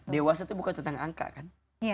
dewasa itu bukan tentang angka kan